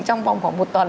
trong vòng khoảng một tuần